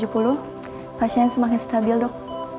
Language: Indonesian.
pasien semakin stabil dok